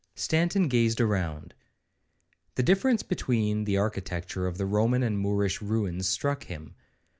Stanton gazed around. The difference between the architecture of the Roman and Moorish ruins struck him.